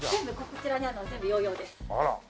こちらにあるのは全部ヨーヨーです。